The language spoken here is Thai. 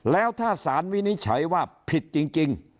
แล้วถ้าสารวินิจฉัยว่าผิดจริง